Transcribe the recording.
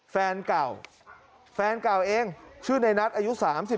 แฟนเก่าแฟนเก่าเองชื่อในนัทอายุ๓๒